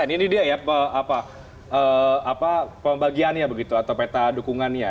ini dia ya pembagiannya begitu atau peta dukungannya